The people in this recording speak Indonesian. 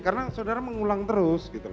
karena saudara mengulang terus